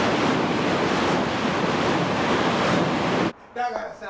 だからさ